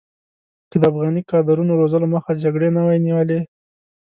که د افغاني کادرونو روزلو مخه جګړې نه وی نیولې.